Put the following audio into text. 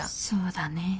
そうだね。